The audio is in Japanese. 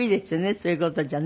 そういう事じゃね。